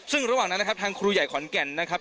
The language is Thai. ซึ่งระหว่างนั้นนะครับทางครูใหญ่ขอนแก่นนะครับ